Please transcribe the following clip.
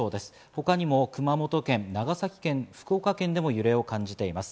他にも熊本県、長崎県、福岡県でも揺れを感じています。